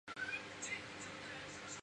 元配为冼兴云之女。